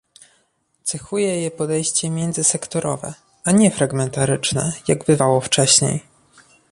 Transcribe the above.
Cechuje je podejście międzysektorowe, a nie fragmentaryczne, jak bywało wcześniej